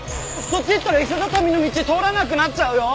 そっち行ったら石畳の道通らなくなっちゃうよ！